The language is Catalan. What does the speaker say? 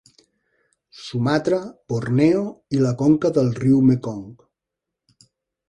Sumatra, Borneo i la conca del riu Mekong.